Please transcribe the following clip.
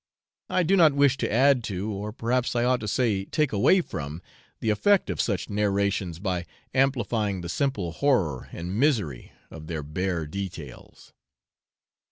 I do not wish to add to, or perhaps I ought to say take away from, the effect of such narrations by amplifying the simple horror and misery of their bare details.